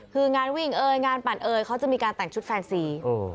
คืองานวิ่งเอ่ยงานปั่นเอ่ยเขาจะมีการแต่งชุดแฟนซี